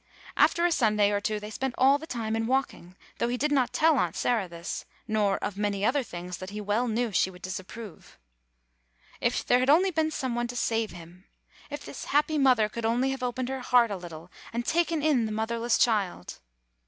After a Sunday or two, they spent all the time in walking, though he did not tell Aunt Sarah this, nor of many other things that he well knew she would disapprove. If there had only been some one to save him! If this happy mother could only have opened her heart a little, and taken in the motherless child!